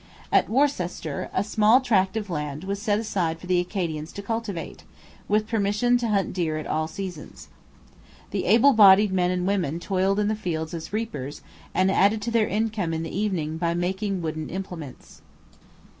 At Worcester a small tract of land was set aside for the Acadians to cultivate, with permission to hunt deer at all seasons. The able bodied men and women toiled in the fields as reapers, and added to their income in the evening by making wooden implements.